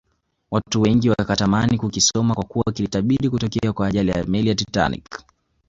watu wengi wakatamani kukisoma kwakuwa kilitabiri kutokea kwa ajali ya meli ya Titanic